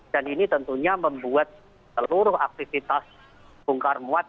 dan ini tentunya membuat seluruh aktivitas bungkar muat